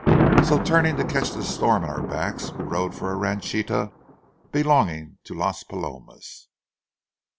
So turning to catch the storm in our backs, we rode for a ranchita belonging to Las Palomas.